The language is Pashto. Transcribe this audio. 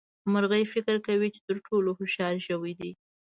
مرغۍ فکر کوي چې تر ټولو هوښيار ژوي دي.